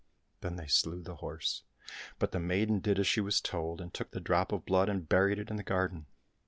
Then they slew the horse, but the maiden did as she was told, and took the drop of blood and buried it in the garden.